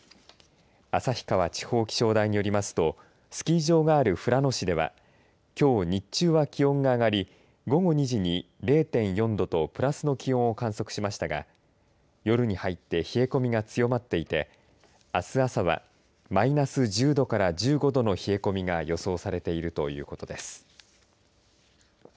旭川地方気象台によりますとスキー場がある富良野市ではきょう日中は気温が上がり午後２時に０．４度とプラスの気温を観測しましたが夜に入って冷え込みが強まっていてあす朝はマイナス１０度から１５度の冷え込みが予想されているということです。